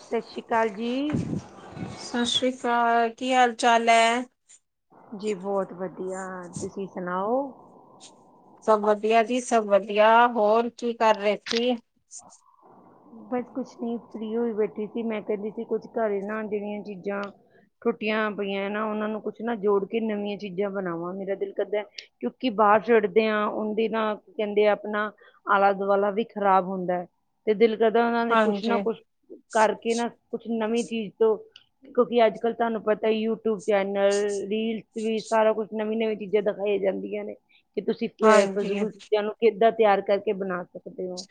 ਸਤਿ ਸ਼੍ਰੀ ਅਕਾਲ ਜੀ। ਸਤਿ ਸ੍ਰੀ ਅਕਾਲ ਕੀ ਹਾਲ ਚਾਲ ਐ? ਜੀ ਬਹੁਤ ਵਧੀਆ ਤੁਸੀਂ ਸੁਣਾਓ? ਸਭ ਵਧੀਆ ਜੀ ਸਭ ਵਧੀਆ ਹੋਰ ਕੀ ਕਰ ਰਹੇ ਸੀ। [inaudible] ਬਸ ਕੁਛ ਨੀ ਫ੍ਰੀ ਹੋਈ ਬੈਠੀ ਸੀ ਮੈਂ ਕਹਿੰਦੀ ਸੀ ਕੁਝ ਘਰ ਬਣਾ ਦੇਣਿਆ ਚੀਜ਼ਾਂ ਟੁੱਟੀਆਂ ਪਈਆਂ ਨਾ ਉਹਨਾਂ ਨੂੰ ਕੁਛ ਨਾ ਜੋੜ ਕੇ ਨਵੀਆਂ ਚੀਜ਼ਾਂ ਬਣਾਵਾਂ ਮੇਰਾ ਦਿਲ ਕਰਦੈ ਕਿਉਂਕਿ ਬਾਹਰ ਸਿੱਟਦੇ ਆ ਉਹਦੇ ਨਾ ਕਹਿੰਦੇ ਆ ਆਪਣਾ ਆਲਾ- ਦੁਆਲਾ ਵੀ ਖ਼ਰਾਬ ਹੁੰਦਾ ਐ ਤੇ ਦਿਲ ਕਰਦਾ ਉਹਨਾਂ ਦੇ ਕੁਛ ਹਾਂਜੀ ਨਾ ਕੁਛ ਕਰਕੇ ਨਾ, ਕੁਛ ਨਵੀਂ ਚੀਜ਼ ਤੋ ਦੇਖੋ ਕਿ, ਅੱਜ-ਕੱਲ ਤੁਹਾਨੂੰ ਪਤਾ ਈ ਯੂਟਿਊਬ ਚੈਨਲ, ਰੀਲਸ ਵਿੱਚ ਵੀ ਸਾਰਾ ਕੁਛ ਨਵੀਂ-ਨਵੀਂ ਚੀਜ਼ਾ, ਦਿਖਾਈਆਂ ਜਾਂਦੀਆਂ ਨੇ। ਕਿ ਤੁਸੀਂ ਅ, ਹਾਂਜੀ ਫਜ਼ੂਲ ਚੀਜ਼ਾਂ ਨੂੰ ਕਿੱਦਾਂ ਤਿਆਰ ਕਰਕੇ ਬਣਾ ਸਕਦੇ ਓ।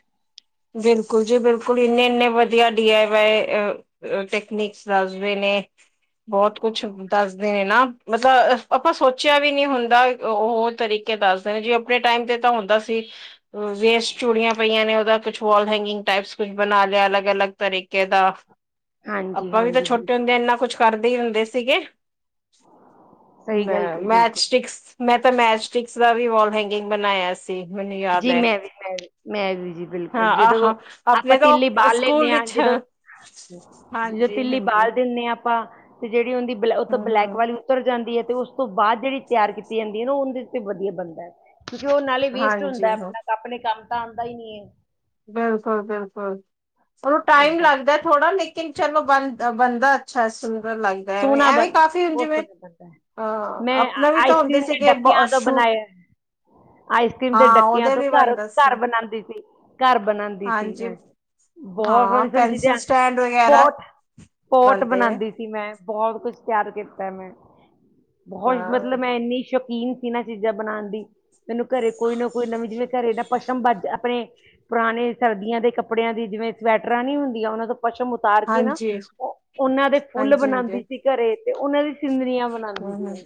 ਬਿਲਕੁਲ ਜੀ, ਬਿਲਕੁਲ‌, ਇੰਨੇ-ਇੰਨੇ ਵਧੀਆ ਡੀ ਆਏ ਵਾਏ ਅ, ਟੇਕਨੀਕਸ ਦੱਸਦੇ ਨੇ‌। ਬਹੁਤ ਕੁਛ ਦੱਸਦੇ ਨੇ ਨਾ, ਮਤਲਬ ਆਪਾ ਸੋਚਿਆ ਵੀ ਨੀ ਹੁੰਦਾ, ਉਹ ਤਰੀ ਕੇ ਦੱਸਦੇ ਨੇ, ਜੀ ਆਪਣੇ ਟਾਈਮ ਤੇ ਤਾ‌ ਹੁੰਦਾ ਸੀ ਵੇਸਟ ਚੂੜੀਆਂ ਪਈਆਂ ਨੇ ਉਹਦਾ ਕੁਛ ਵੌਲ ਹੈਂਗਿੰਗ ਟਾਈਪਸ ਕੁਛ ਬਣਾ ਲਿਆ, ਅਲਗ-ਅਲਗ ਤਰੀਕੇ ਦਾ। ਹਾਂਜੀ ਆਪਾਂ ਵੀ ਤਾ ਹਾਂਜੀ ਛੋਟੇ ਬਿਲਕੁਲ ਹੁੰਦੇ, ਇੰਨਾ ਕੁਛ ਕਰਦੇ ਹੀ ਹੁੰਦੇ ਸੀਗੇ। ਸਹੀ ਗੱਲ ਮੈਂ, ਕਹੀ ਮੈਚ ਬਿਲਕੁਲ ਸਟਿਕਸ ਮੈਂ ਤਾਂ ਮੈਚ ਸਟਿਕਸ ਦਾ ਵੀ ਵੌਲ ਹੈਂਗਿੰਗ ਬਣਾਇਆ ਸੀ, ਮੈਨੂੰ ਯਾਦ ਐ। ਮੈ-ਮੈਂ ਵੀ ਜੀ ਬਿਲਕੁਲ, ਜਿਦੋਂ ਆਹਾਂ ਆਪਾਂ ਆਪਣੇ ਤਿੱਲੀ ਤਾਂ ਬਾਲ ਸਕੂਲ ਲੈਂਨੇ ਆ, ਵਿੱਚ ਜਦੋਂ ਜਿਦੋਂ ਹਾਂਜੀ ਤਿੱਲੀ ਹਾਂਜੀ ਬਾਲ ਦਿੰਨੇ ਆ, ਆਪਾ ਤੇ ਜਿਹੜੀ ਉਹਦੀ ਬਲ ਉਹ ਤਾਂ ਹੂੰ ਬਲੈਕ ਹੂੰ ਵਾਲੀ ਉਤਰ ਜਾਂਦੀ ਐ, ਤੇ ਉਸ ਤੋਂ ਬਾਅਦ ਜਿਹੜੀ ਤਿਆਰ ਕੀਤੀ ਜਾਂਦੀ ਐ, ਉੰਹਦੀ ਵਧੀਆ ਬਣਦੈ, ਕਿਉਂਕਿ ਉਹ ਨਾਲੇ ਵੇਸਟ ਹਾਂਜੀ ਹੁੰਦਾ ਹਾਂ ਆਪਣਾ, ਆਪਣੇ ਕੰਮ ਤਾਂ ਆਂਦਾ ਈ ਨਹੀਂ ਏ। ਬਿਲਕੁਲ-ਬਿਲਕੁਲ, ਉਨੂੰ ਟਾਈਮ ਏਦਾਂ ਲੱਗਦਾ ਥੋੜਾ ਲੇਕਿਨ ਚਲੋ ਬੰ, ਬੰਨਦਾ ਅੱਛਾ, ਸੁੰਦਰ ਲੱਗ ਦ ਐਂਵੇ, ਸੋਹਣਾ ਐਵੇਂ ਬਣ ਕਾਫੀ ਹੁਨ ਬਹੁਤ ਜਿਵੇਂ ਸੋਹਣਾ ਬਣਦਾ ਹੈ ਆਂ, ਮੈਂ ਆਪਣੇ ਵੀ ਤਾਂ ਆਈਸ ਹੁੰਦੇ ਕਰ੍ਰੀਮ ਦੇ ਸੀਗੇ, ਬ, ਡੱਕਿਆਂ ਤੋਂ ਸ਼ੂ ਬਣਾਇਆ ਆਈਸਕ੍ਰੀਮ ਦੇ ਹਾਂ ਡੱਕਿਆਂ ਉਹਦੇ ਤੋਂ ਵੀ ਘਰ, ਬਣਦਾ ਘਰ ਸੀ ਬਣਾਂਦੀ ਸੀ, ਘਰ ਬਣਾਂਦੀ ਸੀ, ਹਾਂਜੀ ਮੈਂ। ਬਹੁਤ ਹਾਂ ਸੋਹਣੀ-ਸੋਹਣੀ ਪੈਨਸਿਲ ਚੀਜ਼ਾਂ, ਸਟੈਂਡ ਵਗੈਰਾ ਪੌਟ, ਪੌਟ ਬਣਦੇ ਹੈ ਬਣਾਂਦੀ ਸੀ ਮੈਂ, ਬਹੁਤ ਕੁਛ ਤਿਆਰ ਕੀਤਾ ਮੈਂ, ਬਹੁਤ ਮਤਲਬ ਹਾਂ ਮੈਂ ਇੰਨੀ ਸ਼ ਕੀਨ ਸੀ ਨਾ ਚੀਜ਼ਾਂ ਬਣਾਣ ਦੀ, ਮੈਨੂੰ ਘਰੇ ਕੋਈ ਨਾ ਕੋਈ ਨਵੀਂ ਜਿਵੇਂ ਘਰੇ ਨਾ ਪਸ਼ਮ ਬਚ, ਆਪਣੇ ਪੁਰਾਣੇ ਸਰਦੀਆਂ ਦੇ ਕੱਪੜਿਆਂ ਦੀ ਜਿਵੇਂ ਸਵੈਟਰਾਂ ਨੀ ਹੁੰਦੀਆਂ, ਉਹਨਾਂ ਤੋਂ ਪਸ਼ਮ ਉਤਾਰ ਕੇ ਨਾ, ਹਾਂਜੀ ਉਹ, ਉਹਨਾਂ ਦੇ ਫੁੱਲ ਹਾਂਜੀ ਬਣਾਂ ਹਾਂਜੀ ਘਰੇ, ਤੇ ਉਹਨਾਂ ਦੀ ਸਿਨਰੀਆ ਬਣਾਉਂਦੀ ਹੂੰ ਸੀ, ਹੂੰ ਮੈਂ।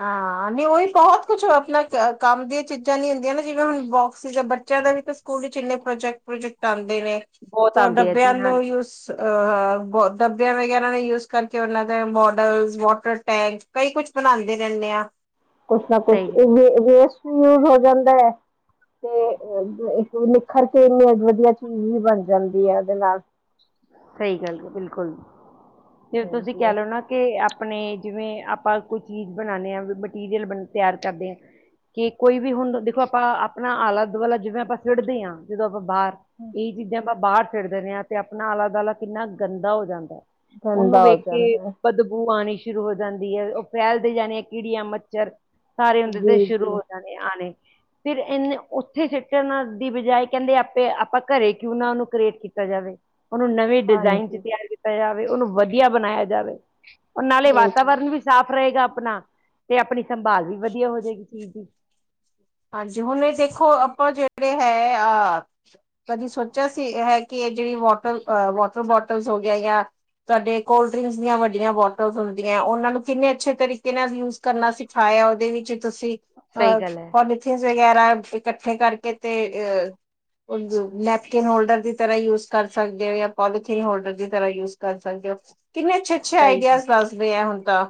ਹਾਂ, ਨਹੀਂ ਉਹੀ ਬਹੁਤ ਕੁਛ ਅਪਣਾ ਕੰਮ ਦੀਆਂ ਚੀਜ਼ਾਂ ਨੀ ਹੁੰਦੀਆਂ ਨਾ, ਜਿਵੇਂ ਹੁਣ ਬੋਕਸੀ ਦਾ ਬੱਚਿਆਂ ਦਾ ਵੀ ਸਕੂਲ ਵਿੱਚ ਇੰਨੇ ਪ੍ਰੋਜੈਕਟ, ਪ੍ਰੋਜੈਕਟ ਆਉਂਦੇ ਨੇ ਬਹੁਤ ਤੇ ਉਹ ਆਉਂਦੇ ਆ ਡੱਬਿਆਂ ਜੀ ਨੂੰ ਹਾਂਜੀ ਯੁਜ ਅ, ਬ ਡੱਬਿਆਂ ਵਗੈਰਾ ਨੂੰ ਯੂਜ ਕਰਕੇ ਉਹਨਾਂ ਦੇ ਮੌਡਲਜ, ਵਾਟਰ ਟੈਂਕ ਕਈ ਕੁਛ ਬਣਾਂ ਰਹਿੰਨੇ ਆ, ਕੁਛ ਨਾ ਕੁਛ, ਸਹੀ ਏ ਗੱਲ ਵੇਸਟ ਵੀ ਯੂਜ ਹੋ ਜਾਂਦਾ ਏ। ਤੇ ਇੱਕ ਨਿਖਰਕੇ ਇੰਨੀ ਵਧੀਆ ਚੀਜ਼ ਵੀ ਬਣ ਜਾਂਦੀ ਐ, ਇਹਦੇ ਨਾਲ। ਸਹੀ ਗੱਲ ਏ, ਬਿਲਕੁਲ ਜੇ ਤੁਸੀਂ ਹਾਂਜੀ ਕਹਿਲੋ ਨਾ ਕੇ ਆਪਣੇ ਜਿਵੇਂ, ਆਪਾਂ ਕੋਈ ਚੀਜ਼ ਬਣਾਂਨੇ ਆ, ਮਟੀਰੀਅਲ ਬ ਤਿਆਰ ਕਰਦੇ ਆ। ਕਿ ਕੋਈ ਵੀ ਹੁਣ, ਦੇਖੋ ਆਪਾਂ ਆਪਣਾ ਆਲਾ-ਦੁਆਲਾ ਜਿਵੇਂ ਆਪਾਂ ਸਿੱਟਦੇ ਆ ਜਦੋਂ ਆਪਾਂ ਬਾਹਰ, ਇਹੀ ਚੀਜ਼ਾਂ ਆਪਾਂ ਬਾਹਰ ਸਿਟ ਦਿੰਨੇ ਆ, ਤੇ ਆਪਣਾ ਆਲਾ-ਦੁਆਲਾ ਕਿੰਨਾ ਗੰਦਾ ਹੋ ਜਾਂਦਾ। ਉਹਨੂੰ ਗੰਦਾ ਹੋ ਵੇਖਕੇ, ਜਾਂਦਾ ਹੈ ਬਦਬੂ ਆਣੀ ਸ਼ੁਰੂ ਹੋ ਜਾਂਦੀ ਏ, ਉਹ ਫੈਲਦੇ ਜਾਣੇ ਕੀੜੀਆਂ, ਮੱਛਰ ਸਾਰੇ ਹੁੰਦੇ ਤੇ ਜੀ ਸ਼ੁਰੂ ਜੀ ਹੋ ਜਾਂਦੇ। ਤੇ ਆਣੇ ਫਿਰ ਇਨੇ ਉੱਥੇ, ਸਿਟਣ ਨਾਲ਼ ਦੀ ਬਜਾਏ ਕਹਿੰਦੇ ਆਪੇ, ਆਪਾ ਘਰੇ ਕਿਉਂ ਨਾ ਉਹਨੂੰ ਕ੍ਰੀਏਟ ਕੀਤਾ ਜਾਵੇ। ਉਹਨੂੰ ਨਵੇਂ ਡਿਜ਼ਾਇਨ'ਚ ਹਾਂਜੀ ਤਿਆਰ ਕੀਤਾ ਜਾਵੇ, ਉਹਨੂੰ ਵਧੀਆ ਬਣਾਇਆ ਜਾਵੇ। ਉਹ ਨਾਲੇ ਬਿਲਕੁਲ ਵਾਤਾਵਰਨ ਵੀ ਸਾਫ਼ ਰਹੇਗਾ ਅਪਣਾ, ਤੇ ਆਪਣੀ ਸੰਭਾਲ ਵੀ ਵਧੀਆ ਹੋ ਜਾਏਗੀ ਚੀਜ਼ ਦੀ। ਹਾਂਜੀ ਹੁਣ ਇਹ ਦੇਖੋ, ਆਪਾਂ ਜਿਹੜੇ ਹੈ ਆ ਕਦੀ ਸੋ ਹੈ ਕਿ, ਜਿਹੜੀ ਵੌਟਰ ਅ ਵਾਟਰ ਬੋਟਲਸ ਹੋਗਿਆ ਯਾ ਤੁਹਾਡੇ ਕੋਲਡ ਡਰਿੰਕਸ ਦੀਆਂ ਵੱਡੀਆਂ ਬੌਟਲਸ ਹੁੰਦੀਆਂ, ਉਹਨਾਂ ਨੂੰ ਕਿੰਨੇ ਅੱਛੇ ਤਰੀਕੇ ਨਾਲ ਯੂਜ ਕਰਨਾ ਸਿਖਾਇਆ ਉਹਦੇ ਵਿੱਚ ਤੁਸੀਂ ਸਹੀ ਅਹ। ਗੱਲ ਹੈ ਮਿਥ ਵਗੈਰਾ ਇਕੱਠੇ ਕਰਕੇ ਤੇ ਅ। ਨੈਪਕਿਨ ਹੋਲਡਰ ਦੀ ਤਰ੍ਹਾਂ ਯੂਜ ਕਰ ਸਕਦੇ ਹੋ ਜਾਂ ਪੋਲੀਥੀਨ ਹੋਲਡਰ ਦੀ ਤਰ੍ਹਾਂ ਯੂਜ਼। ਕਰ ਸਕਦੇ ਹੋ, ਕਿੰਨੇ ਅੱਛੇ, ਅੱਛੇ ਸਹੀ ਹੈ ਆਈਡੀਆਜ਼ ਦੱਸਦੇ ਆ ਹੁਣ ਤਾਂ।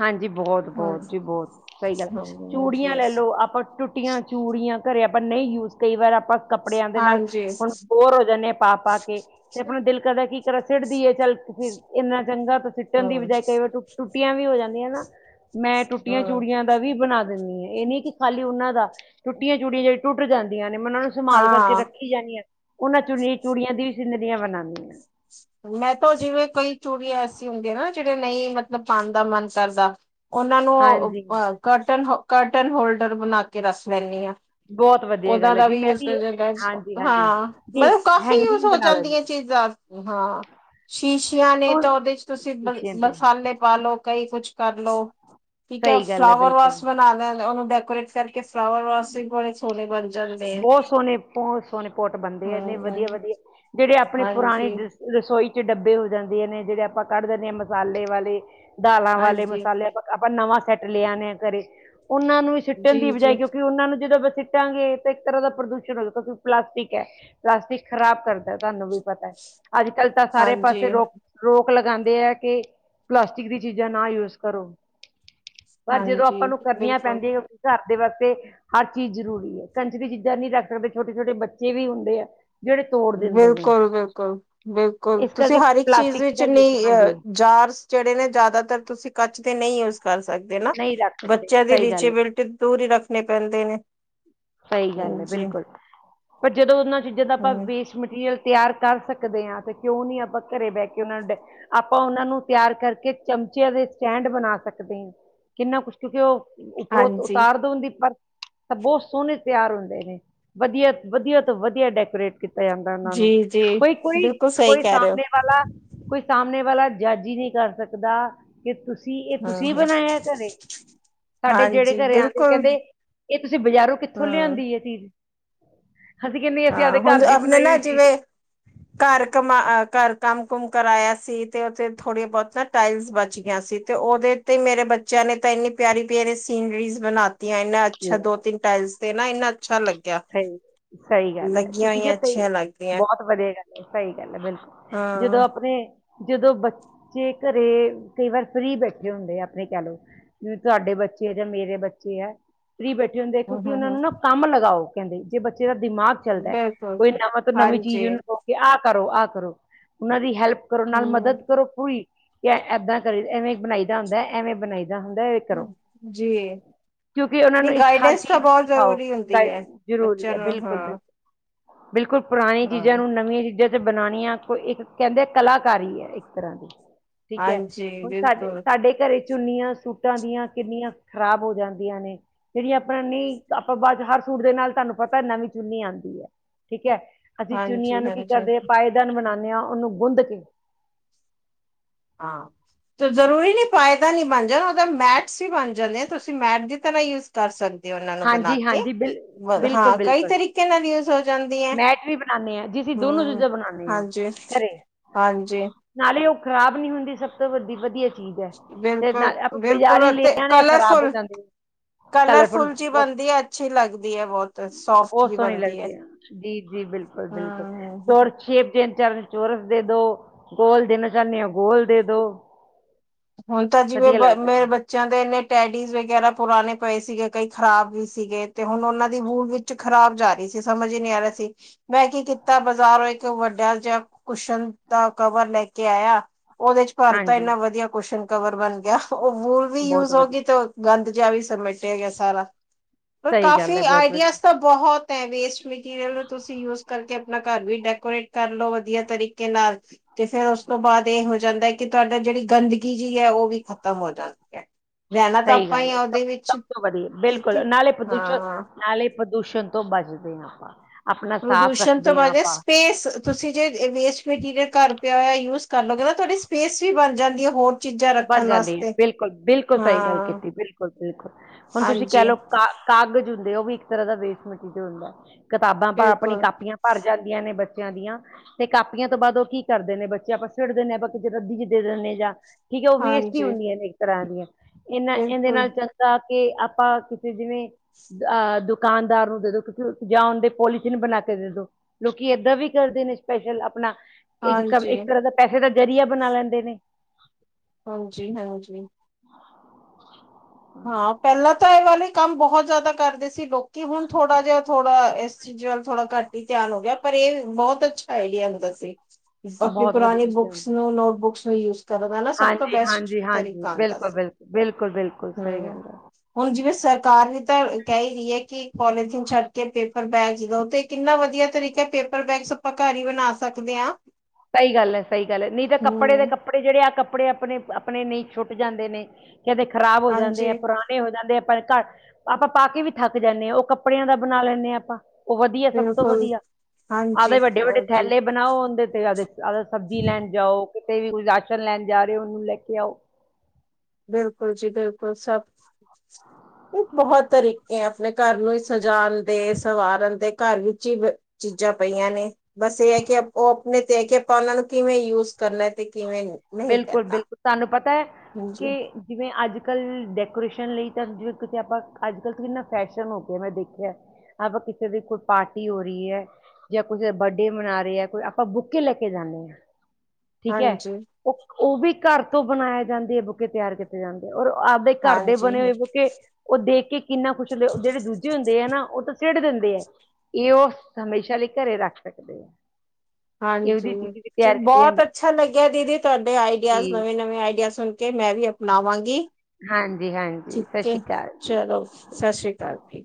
ਹਾਂਜੀ ਬੋਤ ਬੋਤ ਹਾਂਜੀ ਜੀ ਬੋਤ ਸਹੀ ਗੱਲ ਏ ਚੂੜੀਆਂ ਲੈ ਲੋ ਆਪਾਂ ਟੁੱਟੀਆਂ ਚੂੜੀਆਂ। ਘਰੇ ਆਪਾਂ ਨਹੀਂ ਯੂਜ ਕਈ ਵਾਰ ਆਪਾਂ ਕੱਪੜਿਆਂ ਦੇ ਨਾਲ ਹਾਂਜੀ ਹਮ ਹੁਣ ਬੋਰ ਹੋ ਜਾਂਦੇ ਹਾਂ ਪਾ ਪਾ ਕੇ। ਤੇ ਆਪਣਾ ਦਿਲ ਕਰਦਾ, ਕੀ ਕਰਾਂ, ਸਿੱਟਦੀਏ ਚੱਲ ਫਿਰ ਇੰਨਾ ਚੰਗਾ ਤੂੰ ਸਿੱਟਣ ਦੀ ਬਜਾਏ ਕਈ ਵਾਰ ਟੁੱਟੀਆਂ ਵੀ। ਵੀ ਹੋ ਜਾਂਦੀਆਂ ਨਾ, ਮੈਂ ਟੁੱਟੀਆਂ ਹਮ ਚੂੜੀਆਂ ਦਾ ਵੀ ਬਣਾ ਦਿੰਦੀ ਹਾਂ ਇਹ ਨੀ ਕਿ। ਖਾਲੀ ਉਹਨਾਂ ਦਾ, ਟੁੱਟੀਆਂ ਚੂੜੀਆਂ ਜਿਹੜੀ ਟੁੱਟ ਜਾਂਦੀਆਂ ਨੇ, ਮੈਂ ਉਹਨਾਂ ਨੂੰ ਸੰਭਾਲ ਕਰਕੇ ਹਾਂ ਰੱਖੀ। ਜਾਨੀ ਆ ਉਹਨਾਂ ਚੂੜੀਆ- ਚੂੜੀਆਂ ਦੀ ਸਿਨਰੀਆਂ ਬਣਾਂਦੀ ਆ। ਮੈਂ ਤਾਂ ਜਿਵੇਂ ਕਈ ਚੂੜੀਆਂ ਐਸੀ ਹੁੰਦੀਆਂ ਨਾ, ਜਿਹੜੇ ਨਹੀਂ ਮਤਲਬ ਪਾਣ ਦਾ ਮਨ ਕਰਦਾ। ਉਹਨਾਂ ਨੂੰ ਹਾਂਜੀ ਕਰਟਨ-ਕਰਟਨ ਹੋਲਡਰ ਬਣਾ ਕੇ ਰੱਖ ਲੈਨੀ ਆ। ਬਹੁਤ ਵਧੀਆ ਓਦਾਂ ਗੱਲ ਹੈ ਦਾ ਜੀ ਵੀ ਮੈਂ ਯੂ ਜਾਂਦ? ਹਾਂਜੀ ਹਾਂਜੀ ਹਾਂ ਜੀ ਮਤਲਬ ਕਾਫੀ ਯੂਜ ਹੈਂਗਿੰਗ ਹੋ ਬਣਾ ਲੈਣੀ ਜਾਂਦੀਆਂ ਚੀਜ਼ਾਂ। ਹਾਂ, ਸ਼ੀਸ਼ਿਆਂ ਨੇ ਤਾਂ ਉਹਦੇ ਚ ਤੁਸੀਂ ਕਿਚਨ ਤੇ ਮਸਾਲੇ ਪਾਾਲਓ ਕਈ ਕੁਛ। ਕਰਲੋ, ਠੀਕ ਏ ਸਹੀ ਗੱਲ ਹੈ ਫਲਾਵਰ ਬਿਲਕੁਲ ਵਾਸ ਬਣਾ ਲੈਣ, ਉਹਨੂੰ ਡੈਕੋਰੇਟ। ਇਸ ਕਰਕੇ ਫਲਾਵਰ ਵਾਸ਼ ਵੀ ਬੜੇ ਸੋਣੇੇ ਬਣ ਜਾਂਦੇ ਹੈ। ਬਹੁਤ ਸੋਹਣੇ ਬਹੁਤ ਸੋਹਣੇ ਪੋਟ ਬਣਦੇ ਆ ਇੰਨੇ ਵਧੀਆ ਜਿਹੜੇ ਆਪਣੀ ਪੁਰਾਣੀ। ਰਸੋਈ ਚ ਡੱਬੇ ਹੋ ਜਾਂਦੇਆਂ ਨੇ, ਜਿਹੜੇ ਆਪਾਂ ਕੱਢ ਦਿੰਦੇ ਹਾਂ ਮਸਾਲੇ ਵਾਲੇ। ਦਾਲਾਂ ਵਾਲੇ, ਹਾਂਜੀ ਹਾਂਜੀ ਮਸਾਲੇ ਆਪਾਂ-ਆਪਾਂ ਨਵਾਂ ਸੈੱਟ ਲਿਆਦੇ ਹਾਂ ਘਰੇ, ਉਹਨਾਂ ਨੂੰ ਵੀ ਸੁਿੱੱਟਣ ਦੀ ਜੀ ਜੀ ਬਜਾਏ ਕਿਉਂਕਿ। ਉਹਨਾਂ ਨੂੰ ਜਦੋਂ ਆਪਾ ਸੁਟਾਗੇ ਤਾਂ ਇੱਕ ਤਰ੍ਹਾਂ ਦਾ ਪ੍ਰਦੂਸ਼ਣ ਹੋ ਕਿਉਂਕਿ ਪਲਾਸਟਿਕ ਹੈ। ਪਲਾਸਟਿਕ ਖ਼ਰਾਬ ਕਰਦਾ, ਤੁਹਾਨੂੰ ਵੀ ਪਤਾ ਹੈ, ਅੱਜ ਕੱਲ ਤਾਂ ਸਾਰੇ ਪਾਸੇ ਹਾਂਜੀ ਰੋਕ। ਰੋਕ ਲਗਾਂਦੇ ਹੈ ਕਿ, ਪਲਾਸਟਿਕ ਦੀ ਚੀਜ਼ਾਂ ਨਾ ਯੂਜ ਕਰੋ। ਪਰ ਜਦੋਂ ਹਾਂਜੀ ਆਪਾਂ ਨੂੰ ਕਰਨੀਆਂ ਬਿਲਕੁਲ। ਪੈਂਦੀਆਂ ਆਪਣੇ ਘਰ ਦੇ ਵਾਸਤੇ। ਹਰ ਚੀਜ਼ ਜ਼ਰੂਰੀ ਹੈ ਕੰਚ ਦੀ ਚੀਜ਼ਾਂ ਨਹੀਂ ਰੱਖ ਸਕਦੇ ਛੋਟੇ ਛੋਟੇ ਬੱਚੇ ਵੀ ਹੁੰਦੇ ਆ ਜਿਹੜੇ। ਤੋੜ ਦਿੰਦੇ ਨੇ ਬਿਲਕੁਲ- ਬਿਲਕੁਲ-ਬਿਲਕੁਲ ਇਸ ਤੁਸੀਂ ਕਰਕੇ ਹਰ ਇੱਕ ਚੀਜ਼ ਪਲਾਸਟਿਕ ਵਿੱਚ ਦਾ ਯੂਜ ਨਹੀਂ ਅ ਹਾਂਜੀ ਜਾਰ। ਜਿਹੜੇ ਨੇ ਜ਼ਿਆਦਾਤਰ ਤੁਸੀਂ ਕੱਚ ਦੇ ਨਹੀਂ ਯੂਜ ਕਰ ਸਕਦੇ ਨਾ, ਨਹੀਂ ਰੱਖ ਸਕਦੇ ਬੱਚਿਆਂ ਦੀ ਸਹੀ ਗੱਲ ਹੈ ਰੀਚੇਬਿਲਟੀ। ਦੂਰੀ ਰੱਖਣੇ ਪੈਂਦੇ ਨੇ। ਸਹੀ ਗੱਲ ਹੈ ਜੀ ਬਿਲਕੁਲ ਪਰ ਜਦੋਂ ਉਹਨਾਂ ਚੀਜ਼ਾਂ ਦਾ ਆਪਾਂ ਹੂੰ। ਵੇਸਟ ਮਟੀਰੀਅਲ ਤਿਆਰ ਕਰ ਸਕਦੇ ਹਾਂ ਤੇ ਕਿਉਂ ਨਹੀਂ ਆਪਾਂ ਘਰੇ ਬਹਿ ਕੇ ਉਹਨਾਂ ਨੂੰ ਆਪਾਂ ਉਹਨਾਂ ਨੂੰ ਤਿਆਰ ਕਰਕੇ ਚਮਚਿਆਂ ਦੇ ਸਟੈਂਡ ਬਣਾ ਸਕਦੇ ਹਾਂ ਕਿੰਨਾ ਕੁਛ ਕਿਉਂਕਿ ਉਹ ਉੱਪਰੋਂ ਹਾਂਜੀ ਉਤਾਰ ਦ ਹੁੰਦੀ ਪਰ ਤਾਂ ਬੋਤ ਸੋਣੇ ਤਿਆਰ ਹੁੰਦੇ ਨੇ ਵਧੀਆ ਵਧੀਆ ਤੋਂ ਵਧੀਆ ਡੈਕੋਰੇਟ ਕੀਤਾ ਜਾਂਦਾ ਉਹਨਾਂ ਜੀ ਨੂੰ ਜੀ ਕੋਈ ਕੋਈ ਬਿਲਕੁਲ ਸਹੀ ਕੋਈ ਕਹਿ ਰਹੇ ਹੋ। ਸਾਮਣੇ ਵਾਲਾ ਕੋਈ ਸਾਮਣੇ ਵਾਲਾ ਜੱਜ ਹੀ ਨਹੀਂ ਕਰ ਸਕਦਾ ਕਿ ਤੁਸੀਂ ਇਹ ਹੂੰ ਤੁਸੀਂ ਹੂੰ ਬਣਾਇਆ ਘਰੇ ਸਾਡੇ ਜਿਹੜੇ ਹਾਂਜੀ ਘਰੇ ਆਂਦੇ ਬਿਲਕੁਲ ਕਹਿੰਦੇ ਇਹ ਤੁਸੀਂ ਬਾਜ਼ਾਰੋਂ ਕਿੱਥੋਂ ਹੂੰ ਲਿਆਂਦੀ ਇਹ ਚੀਜ਼ ਅਸੀਂ ਕਹਿੰਦੇ ਅਸੀਂ ਹਾਂ ਆਪਦੇ ਘਰ ਹੁਣ ਦੀ ਆਪਣੇ ਬਣਾਈ ਨਾ ਹੋਈ ਚੀਜ਼ ਜਿਵੇਂ ਘਰ ਕਮਾ ਘਰ ਕੰਮ ਕੁਮ ਕਰਾਇਆ ਸੀ ਤੇ ਉੱਥੇ ਥੋੜੀ ਬੋਤ ਟਾਏਲਸ ਬੱਚ ਗਈਆਂ ਸੀ ਤੇ ਉਹਦੇ ਤੇ ਮੇਰੇ ਬੱਚਿਆਂ ਨੇ ਤਾਂ ਇੰਨੀ ਪਿਆਰੀ ਪਿਆਰੀ ਸੀਨਰੀਜ਼ ਬਣਾਤੀਆਂ ਇਹਨਾਂ ਹੈ ਅੱਛਾ ਦੋ ਲੈ ਤਿੰਨ ਟਾਇਲਸ ਤੇ ਨਾ ਇੰਨਾ ਅੱਛਾ ਲੱਗਿਆ ਸਹੀ ਸਹੀ ਗੱਲ ਹੈ ਕਿ ਲੱਗੀਆਂ ਠੀਕ ਹੈ ਹੋਈਆਂ ਸਹੀ ਅੱਛੀਆਂ ਲੱਗਦੀਆਂ ਬੋਤ ਵਧੀਆ ਗੱਲ ਹੈ ਸਹੀ ਗੱਲ ਹੈ ਬਿਲਕੁਲ ਜਦੋਂ ਹਾਂ ਆਪਣੇ ਜਦੋਂ ਬੱਚੇ ਘਰੇ ਕਈ ਵਾਰ ਫ੍ਰਰੀ ਬੈਠੇ ਹੁੰਦੇ ਆ ਆਪਣੇ ਕਹਿ ਲਓ ਜਿਵੇਂ ਤੁਹਾਡੇ ਬੱਚੇ ਹੈ ਜਾਂ ਮੇਰੇ ਬੱਚੇ ਹੈ ਫ੍ਰੀ ਬੈਠੇ ਹੁੰਦੇ ਆ ਹੂੰ ਕਿਉਂਕਿ ਹੂੰ ਉਹਨਾਂ ਨੂੰ ਹੂੰ ਨਾ ਕੰਮ ਲਗਾਓ ਕਹਿੰਦੇ ਜੇ ਬੱਚੇ ਦਾ ਦਿਮਾਗ ਚੱਲਦਾ ਬਿਲਕੁਲ ਕੋਈ ਨਵਾਂ ਤੋਂ ਨਵੀਂ ਚੀਜ਼ ਹਾਂਜੀ ਉਹਨੂੰ ਕੇ ਆ ਕਰੋ ਆ ਕਰੋ ਓਨਾਂ ਦੀ ਹੈਲਪ ਕਰੋ ਨਾਲ ਹੂੰ ਮਦਦ ਕਰੋ ਪੂਰੀ ਕੈਂਅ ਐਦਾਂ ਕਰੀ ਐਵੇਂ ਬਣਾਈਦਾ ਹੁੰਦਾ ਐ ਐਵੇਂ ਬਣਾਈਦਾ ਹੁੰਦਾ ਏ ਕਰੋ, ਜੀ ਕਿਉਂਕੀ ਓਨਾਂ ਨੂੰ ਨਹੀਂ ਹਰ ਗਾਈਡੈਂਸ ਤਾਂ ਚੀਜ਼ ਨੂੰ ਬਹੁਤ ਸੀਖਾਓ ਜ਼ਰੂਰੀ ਹੁੰਦੀ ਹੈ ਰੌਲੀ ਬੱਚਿਆਂ ਐ ਨੂੰ ਬੀਲਕੁਲ ਬੇ ਹਾਂ ਬੀਲਕੁਲ ਪੁਰਾਣੀ ਚੀਜ਼ਾਂ ਹਾਂ ਨੂੰ ਨਵੀਆਂ ਚੀਜ਼ਾਂ ਬਣਾਣੀਆਂ ਕੋਈ ਏਕ ਕੈਂਦੇ ਕਲਾਕਾਰੀ ਐ ਏਕ ਤਰਾ ਦੀ ਠੀਕ ਐ ਹਾਂਜੀ ਹੁਣ ਸਾਡੇ ਬਿਲਕੁਲ ਸਾਡੇ ਘਰੇ ਵੀਚ ਚੁੰਨੀਆਂ ਸੂਟਾਂ ਦੀਆਂ ਕੀਨੀਆਂ ਖਰਾਬ ਹੋ ਜਾਂਦੀਆਂ ਨੇ ਜੇੜੀ ਆਪਨਾ ਨਈ ਆਪਾਂ ਬਾ ਚੋ ਹਰ ਸੂਟ ਦੇ ਨਾਲ ਧਾਨੂੰ ਪਤਾ ਨਵੀਂ ਚੁੰਨੀ ਆਂਦੀ ਐ ਠੀਕ ਐ ਅਸੀਂ ਚੁਨੀਆਂ ਹਾਂਜੀ ਨੂੰ ਕੀ ਹਾਂਜੀ ਕਰਦੇ ਪਾਏਦਾਨ ਬਣਾਦੇ ਆਂ ਓਨੂੰ ਗੁੰਦ ਕੇ ਹਾਂ ਜਰੂਰੀ ਨੀ ਪਾਏਦਾਨ ਈ ਬਣ ਜਾ ਓਦਾ ਮੈਟਸ ਵੀ ਬਣ ਜਾਂਦੇ ਆ ਤੁਸੀਂ ਮੈਟ ਦੀ ਤਰਾ ਯੂਸ ਕਰ ਸਾ ਦੇ ਓਨਾਂ ਨੂੰ ਬਣਾ ਹਾਂਜੀ ਕੇ ਹਾਂਜੀ ਬਿਲ ਵ ਬਿਲਕੁਲ ਹਾਂ ਕਈ ਬਿਲਕੁਲ ਤਰੀਕੇ ਨਾਲ ਯੂਸ ਹੋ ਜਾਂਦੀ ਐ। ਬਣਾਦੇ ਆਂ ਜੀ ਅਸੀਂ ਦੋਨੋ ਚੀਜ਼ਾਂ ਬਣਾਦੇ ਆਂ, ਹਾਂਜੀ ਘਰੇ। ਹਾਂਜੀ। ਨਾਲੇ ਓ ਖ਼ਰਾਬ ਨੀ ਹੁੰਦੀ ਸਭ ਤੋਂ ਵਧ ਵਦੀਆ ਚੀਜ਼ ਐ, ਤੇ ਨਾ ਬਿਲਕੁਲ ਆਪਾਂ ਬਾਜ਼ਾਰੀ ਬਿਲਕੁਲ ਲੇ ਤੇ ਆਣੇ ਆ ਖ਼ਰਾਬ ਹੋ ਕਲਰਫੁਲ ਜਾਂਦੇ ਆ ਕਲਰਫੁਲ ਚਾ ਈ ਬਣਦੀ ਐ ਅੱਛੀ ਲੱਗਦੀ ਐ ਬੌਤ ਸੋਫਟ ਜੀ ਬਣਦੀ ਐ। ਜੀ-ਜੀ ਬੀਲਕੁਲ-ਬੀਲਕੁਲ ਹੋਰ ਸ਼ੇਪ ਚੇਨ ਚਾਰ ਚੋਰਸ ਦੇ ਦੋ ਗੋਲ ਦੇਣਾ ਚਾਨੇ ਓ ਗੋਲ ਦੇ ਦੋ। ਹੁਣ ਤਾਂ ਬਾ ਵਧੀਆ ਜੀਵੇਂ ਲੱਗਦਾ ਹੈ ਮੇਰੇ ਬਾ ਚੇਆ ਦੇ ਐਨੇ ਟੈਡੀਜ਼ ਵਗੈਰਾ ਪੁਰਾਣੇ ਪਏ ਸੀਗੇ ਕਈ ਖ਼ਰਾਬ ਵੀ ਸੀਗੇ ਤੇ ਹੁਣ ਓਨਾਂ ਦੀ ਬੂਲ ਵੀ ਚ ਖ਼ਰਾਬ ਜਾ ਰਈ ਸੀ ਸਮਝ ਈ ਨੀ ਆ ਰੇਆ ਸੀ ਮੈਂ ਕੀ ਕੀਤਾ ਬਾਜ਼ਾਰੋਂ ਏਕ ਵੱਡਾ ਜਾ ਕੁਸ਼ਨ ਦਾ ਕਵਰ ਲੈ ਕੇ ਆਏਆ ਓਦੇ ਚ ਭਰ ਤਾਂ ਹਾਂਜੀ ਏਨਾ ਵਦੀਆ ਕੁਸਨ ਕਵਰ ਬਣ ਗੇਆ ਓ ਵਲ ਵੀ ਬਹੁਤ ਯੂਸ ਹੋ ਵਧੀਆ ਗੀ ਤੇ ਗੰਦ ਜਾ ਵੀ ਸਮੇਟੇਆ ਗਿਆ ਸਾਰਾ, ਪਰ ਸਹੀ ਗੱਲ ਕਾਫੀ ਹੈ ਬਹੁਤ ਆਈਡੀਅਸ ਵਧੀਆ ਤਾਂ ਬਹੁਤ ਐ ਵੇਸਟ ਮਟੀਰੀਅਲ ਨੂੰ ਤੁਸੀਂ ਯੂਸ ਕਰਕੇ ਆਪ ਪਣਾ ਘਰ ਵੀ ਡੈਕੋਰੇਟ ਕਰਲੋ ਵਦੀਆ ਤਰੀਕੇ ਨਾਲ ਤੇ ਫੇਰ ਓਸ ਤੋਂ ਬਾਦ ਏ ਹੋ ਜਾਂਦਾ ਹੈ ਕੀ ਤੁਆਡਾ ਜੇੜੀ ਗੰਦ ਗੀ ਜੀ ਐ ਓ ਵੀ ਖ਼ਤਮ ਹੋ ਜਾਂਦੀ ਐ ਰੈਂਣਾ ਤਾਂ ਸਹੀ ਆਪਾਂ ਈ ਗੱਲ ਹੈ ਆ ਸਭ ਓਦੇ ਵੀਚ ਸਭ ਤੋਂ ਵਧੀਆ ਠੀਕ ਐ, ਬਿਲਕੁਲ ਨਾਲੇ ਪ੍ਰਦੂਸ਼ਣ ਹਾਂ ਨਾਲੇ ਪ੍ਰਦੂਸ਼ਣ ਤੋਂ ਬਚਦੇ ਆਂ ਆਪਾਂ। ਆਪਣਾ ਸਾਫ਼ ਪ੍ਰਦੂਸ਼ਣ ਤੋਂ ਰੱਖਦੇ ਹਾਂ ਬਚਦੇ ਆਪਾਂ ਸਪੇਸ ਤੁਸੀਂ ਜੇ ਵੇਸਟ ਮਟੀਰੀਅਲ ਘਰ ਪੇਆ ਹੋਏਆ ਯੂਸ ਕਰ ਲੋਗੇ ਨਾ ਤੁਆਡੀ ਸਪੇਸ ਵੀ ਬਣ ਜਾਂਦੀ ਐ ਹੋਰ ਚੀਜ਼ਾਂ ਬਣ ਰੱਖਣ ਜਾਂਦੀ ਐ ਵਾਸਤੇ ਬੀਲਕੁਲ-ਬੀਲਕੁਲ ਸਈ ਗੱਲ ਹਾਂ ਕੀਤੀ ਬੀਲਕੁਲ-ਬੀਲਕੁਲ ਹੁਣ ਤੁਸੀਂ ਕੈ ਹਾਂਜੀ ਲੋ ਕਾ ਕਾਗਜ਼ ਹੁੰਦੇ ਓ ਵੀ ਏਕ ਤਰਾ ਦਾ ਵੇਸਟ ਮਟੀਰੀਅਲ ਹੁੰਦਾ ਐ ਕਿਤਾਬਾਂ ਭ ਆਪਣੀ ਬਿਲਕੁਲ ਕਾਪੀਆਂ ਭਰ ਜਾਂਦੀ ਦੀਆਂ ਨੇ ਬੱਚੇਆਂ ਦੀਆਂ ਤੇ ਕਾਪੀਆਂ ਤੋਂ ਬਾਦ ਓ ਕੀ ਕਰਦੇ ਨੇ ਬੱਚੇ ਆਪਾਂ ਸੇਟਦੇ ਨੇ ਆਪਾਂ ਕਿ ਰੱਦੀ ਚ ਦੇ ਦੇਂਦੇ ਜਾਂ ਠੀਕ ਐ ਓ ਵੇਸਟ ਈ ਹਾਂਜੀ ਹੁੰਦੀਆਂ ਨੇ ਏਕ ਤਰਾ ਦੀਆਂ ਏਨਾਂ ਏਂਦੇ ਬਿਲਕੁਲ ਨਾਲ ਤਾਂ ਕੇ ਆਪਾਂ ਕੀਸੀ ਜੇਵੇਂ ਅਆ ਦੁਕਾਨਦਾਰ ਨੂੰ ਦੇ ਦੋ ਕਿਉਂਕ ਜਾਂ ਓਦੇ ਪੋਲੀਥੀਨ ਬਣਾ ਕੇ ਦੇ ਦੋ ਲੋਕੀ ਏਦਾਂ ਵੀ ਕਰਦੇ ਨੇ ਸਪੈਸ਼ਲ ਆਪਣਾ ਏਕ ਕਮ ਹਾਂਜੀ ਏਕ ਤਰਾ ਦਾ ਪੈਸੇ ਦਾ ਜ਼ਰੀਆ ਬਣਾ ਲੈਂਦੇ ਨੇ। ਹਾਂਜੀ-ਹਾਂਜੀ। [inaudible] ਹਾਂ ਪੈਲਾਂ ਤਾਂ ਏ ਵਾਲੀ ਕੰਮ ਬੌਹ ਜਾਦਾ ਕਰਦੇ ਸੀ ਲੋਕੀ ਹੁਣ ਥੋੜਾ ਜੇਆ ਥੋੜਾ ਏਸ ਚੀਜੀ ਵੱਲ ਥੋੜਾ ਘੱਟ ਹੀ ਧਿਆਨ ਹੋ ਗਿਆ ਪਰ ਇਹ ਬੋਤ ਅੱਛਾ ਆਈਡੀਆ ਹੁੰਦਾ ਸੀ। ਆਪਣੀ ਬਹੁਤ ਵਧੀਆ ਪੁਰਾਣੀ ਚੀਜ਼ਾਂ ਨੇ ਬੁੱਕਸ ਨੂੰ ਨੋਟਬੁੱਕਸ ਨੂੰ ਯੂਜ ਕਰਨ ਦਾ ਨਾ ਸਭ ਤੋਂ ਬੈਸਟ ਤਰੀਕਾ ਹੁੰਦਾ ਸੀ। ਬਿਲਕੁਲ-ਬਿਲਕੁਲ ਹੂੰ ਹੁਣ ਜਿਵੇਂ ਸਰਕਾਰ ਵੀ ਤਾਂ ਕਹਿ ਰਈ ਏ ਕਿ ਪੋਲੀਥੀਨ ਛੱਡ ਕੇ ਪੇਪ ਪਰ ਬੈਗ ਜਿਦਾ ਉਥੇ ਕਿੰਨਾ ਵਧੀਆ ਤਰੀਕਾ ਹੈ ਪੇਪਰ ਬੈਗਸ ਆਪਾਂ ਘਰ ਈ ਬਣਾ ਸਕਦੇ ਆਂ ਸਹੀ ਗੱਲ ਹੈ ਸਹੀ ਗੱਲ ਹੈ ਨਹੀਂ ਤਾਂ ਕੱਪੜੇ ਦੇ ਹੂੰ। ਕੱਪੜੇ ਜੇੜੇ ਆ ਕੱਪੜੇ ਆਪਣੇ-ਆਪਣੇ ਨਈ ਛੁੱਟ ਜਾਂਦੇ ਨੇ ਕੈਦੇ ਖਰਾਬ ਹੋ ਜਾਂਦੇ ਆ ਹਾਂਜੀ ਪੁਰਾਣੇ ਹੋ ਜਾਂਦੇ ਆਪਾਂ ਘ ਆਪਾਂ ਪਾ ਕੇ ਵੀ ਥੱਕ ਜਾਂਦੇ ਹਾਂ ਓ ਕੱਪੜਿਆਂ ਦਾ ਬਣਾ ਲੈਂਣੇ ਆਪਾਂ ਓ ਵਧੀਆ ਸਭ ਤੋਂ ਬਿਲਕੁਲ ਵਧੀਆ ਆਦੇ ਹਾਂਜੀ ਵੱਡੇ-ਵੱਡੇ ਹਾਂਜੀ ਬਣਾਓ ਉਦੇਂ ਤੇ ਆ ਤੇ ਸਬਜ਼ੀ ਲੈਣ ਜਾਓ ਕਿਤੇ ਵੀ ਰਾਸ਼ਨ ਲੈਣ ਜਾ ਰਏ ਓ ਉਹਨੂੰ ਲੈ ਕੇ ਆਓ। ਬਿਲਕੁਲ ਜੀ ਬਿਲਕੁਲ ਸਭ ਹ ਬਹੁਤ ਤਰੀਕੇ ਆ ਆਪਣੇ ਘਰ ਨੂੰ ਈ ਸਜਾਉਣ ਦੇ ਸਵਾਰਨ ਦੇ ਘਰ ਵਿੱਚ ਈ ਅ ਚੀਜ਼ਾਂ ਪਈਆਂ ਨੇ। ਬਸ ਇਹ ਹੈ ਕਿ ਓ ਆਪਣੇ ਤੇ ਹੈ ਕੇ ਆਪਾਂ ਉਹਨਾਂ ਨੂੰ ਕਿਵੇਂ ਯੂਜ ਕਰਨਾ ਤੇ ਕਿਵੇਂ ਨਹੀਂ ਬਿਲਕੁਲ ਕਰਨਾ -ਬਿਲਕੁਲ ਤੁਹਾਨੂੰ ਪਤਾ ਕੀ ਹਾਂਜੀ ਜਿਵੇਂ ਅੱਜ-ਕੱਲ੍ਹ ਡੈਕੋਰੇਸ਼ਨ ਲਈ ਤਾਂ ਜਿਵੇਂ ਕਿ ਆਪਾਂ ਅੱਜ ਕੱਲ੍ਹ ਇੰਨਾ ਫੈਸ਼ਨ ਹੋ ਗਿਆ ਮੈਂ ਦੇਖਿਆ ਅਪ ਕਿਸੇ ਦੀ ਕੋਈ ਪਾਰਟੀ ਹੋ ਰਈ ਐ। ਜਾਂ ਕੁਝ ਦਾ ਬਰਡੇ ਮਨਾ ਰਿਆ ਕੋ ਆਪਾਂ ਬੁੱਕੇ ਲੈ ਕੇ ਜਾਂਣੇ ਆਂ। ਠੀਕ ਹੈ ਹਾਂਜੀ ਓ-ਓ ਵੀ ਘਰ ਤੋਂ ਬਣਾਇਆ ਜਾਂਦੀ ਏ ਬੁੱਕੇ ਤਿਆਰ ਤੇ ਜਾਂਦੇ ਔਰ ਆਪਦੇ ਘਰ ਦੇ ਹਾਂਜੀ ਬਣੇ ਹੋਏ ਬੁਕੇ ਓ ਦੇਖ ਕੇ ਕਿੰਨਾ ਕੁਛ ਜੇ ਜੇੜੇ ਦੂਜੇ ਹੁੰਦੇ ਹੈ ਨਾ ਓ ਤਾਂ ਛਿੱਟ ਦਿੰਦੇ ਆ ਇਹ ਓ ਹਮੇਸ਼ਾ ਲਈ ਘਰੇ ਰੱਖ ਸਕਦੇ ਆਂ। ਹਾਂਜੀ ਕੀਤੀ ਬੋਤ ਜਾਂਦੀ ਅੱਛਾ ਲੱਗਿਆ ਦੀਦੀ ਤੁਹਾਡੇ ਆਈਡੀਆ ਜੀ ਨਵੇਂ-ਨਵੇਂ ਆਈਡੀਆ ਸੁਣ ਕਿ ਮੈਂ ਵੀ ਅਪਣਾਵਾਂਗੀ ਹਾਂਜੀ ਹਾਂਜੀ ਸਤਿ ਠੀਕ ਹੈ ਸ਼੍ਰੀ ਅਕਾਲ ਚਲੋ। ਸਤਿ ਸ਼੍ਰੀ ਅਕਾਲ ਫੀ